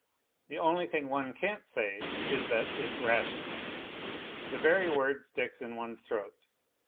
The only thing one can't say is that it's rational. The very word sticks in one's throat.